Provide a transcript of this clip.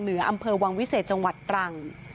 เหนืออำเภอวังวิเศษจังหวัดตรัง